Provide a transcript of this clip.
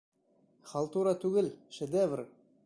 Халтура түгел, шедевр.